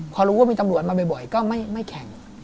พอรู้ว่ามีตำรวจมาบ่อยก็ไม่แข่ง